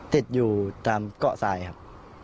ติดอยู่ตามเกาะทรายครับ